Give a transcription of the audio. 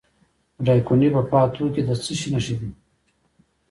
د دایکنډي په پاتو کې د څه شي نښې دي؟